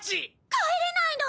帰れないの？